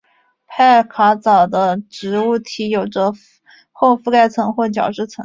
派卡藻的植物体有着厚覆盖层或角质层。